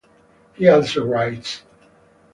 He also writes.